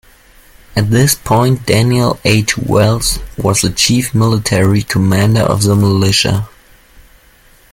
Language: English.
At this point Daniel H. Wells was the chief military commander of the militia.